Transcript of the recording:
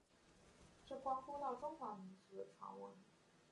这关乎到中华民族的存亡。